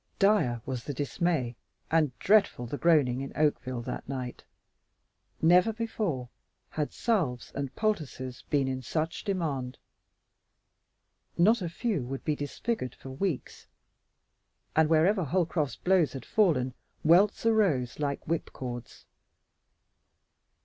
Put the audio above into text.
Dire was the dismay, and dreadful the groaning in Oakville that night. Never before had salves and poultices been in such demand. Not a few would be disfigured for weeks, and wherever Holcroft's blows had fallen welts arose like whipcords.